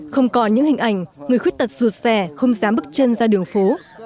không còn những hình ảnh người khuyết tật rụt xe không dám bước chân ra đường phố